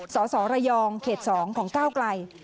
สสระยองเขต๒ของก้าวไกล